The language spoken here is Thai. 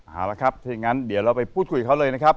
เอาละครับทีนี้งั้นเดี๋ยวเราไปพูดคุยกันเลยนะครับ